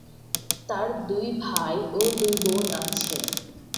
তার দুই ভাই ও দুই বোন আছেন।